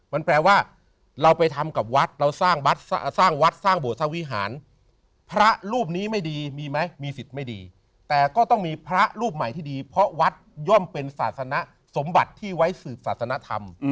มันแปลว่าเราไปทำกับวัดเราสร้างวัดสร้างวัดสร้างโบสถวิหารพระรูปนี้ไม่ดีมีไหมมีสิทธิ์ไม่ดีแต่ก็ต้องมีพระรูปใหม่ที่ดีเพราะวัดย่อมเป็นศาสนสมบัติที่ไว้สืบศาสนธรรม